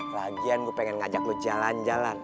lagian gue pengen ngajak lo jalan jalan